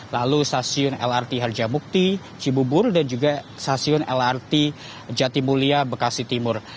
lalu stasiun lrt harjamukti cibubur dan juga stasiun lrt jatimulia bekasi timur